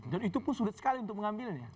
dan itu pun sulit sekali untuk mengambilnya